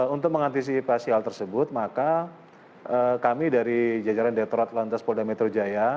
untuk mengantisipasi hal tersebut maka kami dari jajaran detorat lantas polda metro jaya